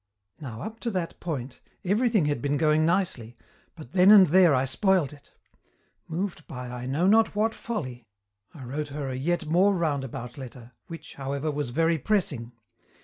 Now up to that point everything had been going nicely, but then and there I spoiled it. Moved by I know not what folly, I wrote her a yet more roundabout letter, which, however, was very pressing.